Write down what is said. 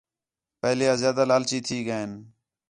پہلے آ زیادہ لالچی تھی ڳئے ہین